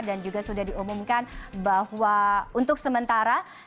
dan juga sudah diumumkan bahwa untuk sementara